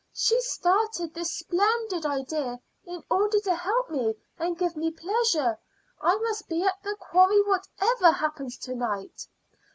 "She started this splendid idea in order to help me and give me pleasure. I must be at the quarry whatever happens to night.